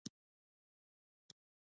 د پکتیکا په یوسف خیل کې د څه شي نښې دي؟